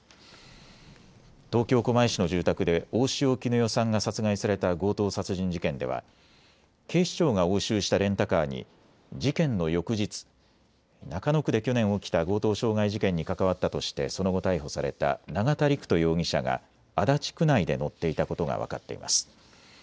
東京狛江市の住宅で大塩衣與さんが殺害された強盗殺人事件では警視庁が押収したレンタカーに事件の翌日、中野区で去年起きた強盗傷害事件に関わったとしてその後、逮捕された永田陸人容疑者が足立区内で乗っていたことが分かります。